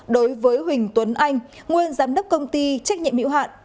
đối với huỳnh tuấn anh nguyên giám đốc công ty trách nhiệm miễu hạn